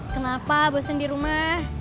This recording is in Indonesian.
kenapa bosen di rumah